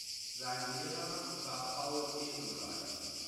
Sein Lehrer war Paul Ehrenreich.